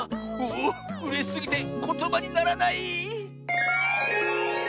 おおうれしすぎてことばにならない！